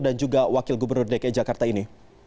dan juga wakil gubernur dki jakarta ini